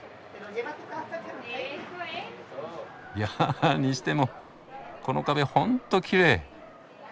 いやあにしてもこの壁ほんときれい。